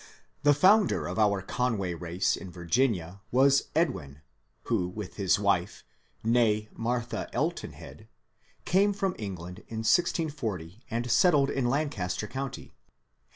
The founder of our Conway race in Virginia was Edwin, who with his wife — TkAe Martha Eltonhead — came from Eng land in 1640 and settled in Lancaster County.